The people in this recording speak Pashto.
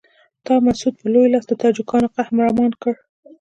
تا مسعود په لوی لاس د تاجکو قهرمان کړ.